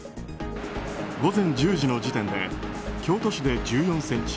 午前１０時の時点で京都市で１４ｃｍ。